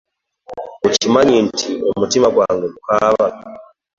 Okimanyi nti omutima gwange gukaaba?